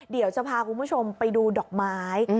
เดี๋ยวจะพาคุณผู้ชมไปดูดอกไม้